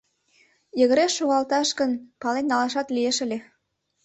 — Йыгыре шогалташ гын, пален налашат лиеш ыле.